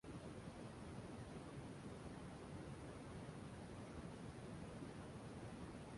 একজন লোক টুলের উপর বসে প্লাস্টিক সামগ্রী বিক্রি করছে।